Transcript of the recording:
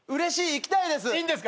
行きたいです。